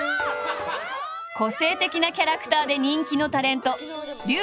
個性的なキャラクターで人気のタレント